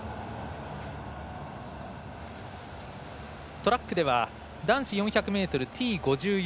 トラックでは男子４００ｍＴ５４